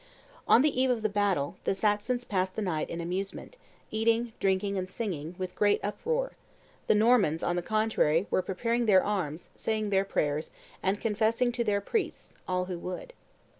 On the eve of the battle, the Saxons passed the night in amusement, eating, drinking, and singing, with great uproar; the Normans, on the contrary, were preparing their arms, saying their prayers, and "confessing to their priests all who would."